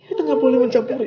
itu gak boleh mencampurin